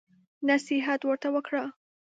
نصيحت ورته وکړه.